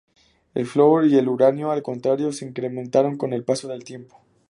El flúor y el uranio, al contrario, se incrementan con el paso del tiempo.